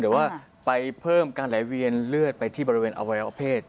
หรือว่าไปเพิ่มการไหลเวียนเลือดไปที่บริเวณอวัยวะเพศ